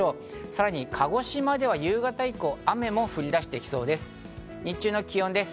さらに鹿児島では夕方以降、雨も降り出してきそうです。